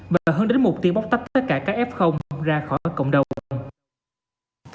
và hướng đến mục tiêu bóc tách tất cả các f ra khỏi cộng đồng